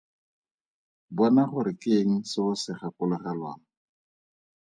Bona gore ke eng se o se gakologelwang.